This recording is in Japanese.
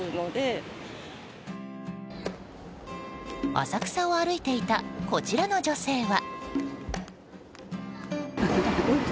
浅草を歩いていたこちらの女性は。